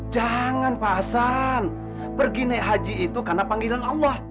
jangan pasan pergi naik haji itu karena panggilan allah